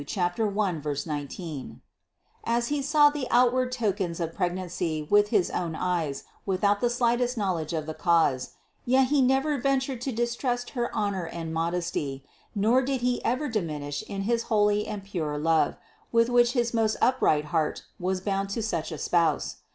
1, 19) as he saw the outward tokens of pregnancy with his own eyes without the slightest knowl edge of the cause ; yet he never ventured to distrust her honor and modesty, nor did he ever diminish in his holy and pure love, with which his most upright heart was bound to such a Spouse.